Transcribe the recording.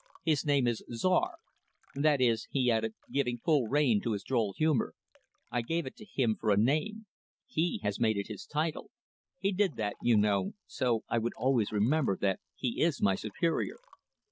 His name is Czar. That is" he added, giving full rein to his droll humor "I gave it to him for a name. He has made it his title. He did that, you know, so I would always remember that he is my superior."